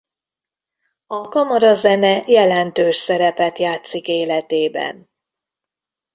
A kamarazene jelentős szerepet játszik életében.